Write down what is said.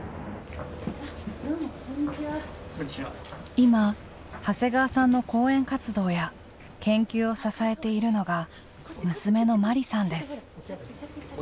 今長谷川さんの講演活動や研究を支えているのが娘のまりさんです。